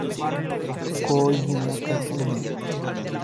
Kōji Nakajima